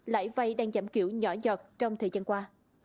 lãi vay đang giảm kiểu nhỏ dọt trong thời gian qua